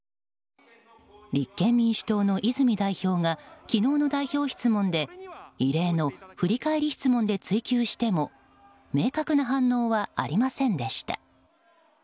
立憲民主党の泉代表が昨日の代表質問で異例の振り返り質問で追及しても明確な反応はありませんでした。